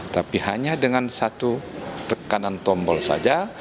tapi hanya dengan satu tekanan tombol saja